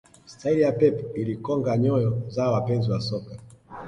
staili ya pep ilikonga nyoyo za wapenzi wa soka